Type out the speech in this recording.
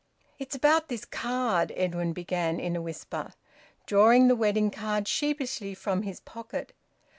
"It's about this card," Edwin began, in a whisper, drawing the wedding card sheepishly from his pocket.